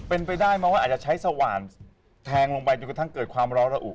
เป็นไปได้ไหมว่าอาจจะใช้สว่านแทงลงไปจนกระทั่งเกิดความร้อนระอุ